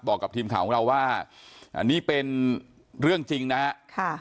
บอกกับทีมข่าวของเราว่าอันนี้เป็นเรื่องจริงนะฮะ